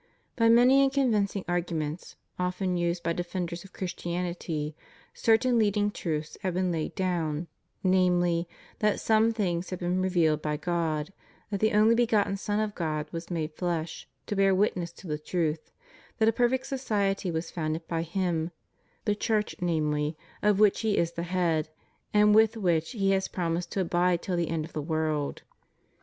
By many and convincing arguments, often used by defenders of Christianity, certain leading truths have been laid down: namely, that some things have been revealed by God; that the only begotten Son of God was made flesh, to bear witness to the truth; that a perfect society was founded by Him — the Church namely, of which He is the head, and with which He has promised to abide till the end of the world.